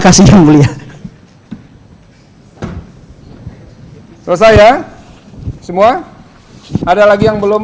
kalau semangatnya kayak gini tadi malam itu kita tidak kalah dua satu